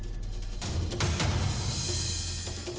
aku mah kecewa